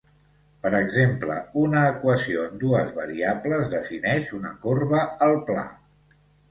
Per exemple, una equació en dues variables defineix una corba al pla.